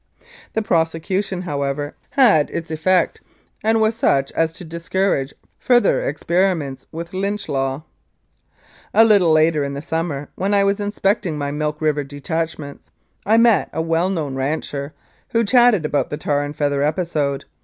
The prosecution, however, had its effect, and was such as to discourage further experiments with Lynch Law. A little later in the summer, when I was inspecting my Milk River detachments, I met a well known rancher, who chatted about the tar and feather episode.